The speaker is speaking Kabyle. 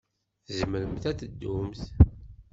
Tzemremt ad teddumt.